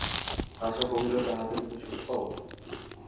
আশা কহিল, তাহাতে তুমি সুখ পাও?